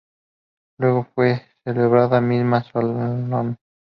Luego fue celebrada misa solemne.